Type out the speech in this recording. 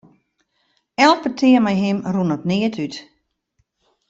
Elk petear mei him rûn op neat út.